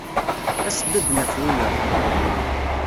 As-d ad d-naf wiyaḍ.